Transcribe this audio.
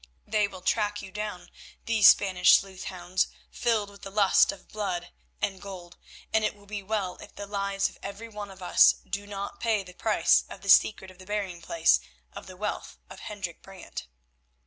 They will track you down, these Spanish sleuthhounds, filled with the lust of blood and gold, and it will be well if the lives of every one of us do not pay the price of the secret of the burying place of the wealth of Hendrik Brant."